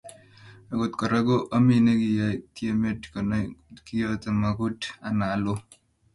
Akot Kora ko ami nekiyaei tiemet konai ngotkokityo magutik anan olo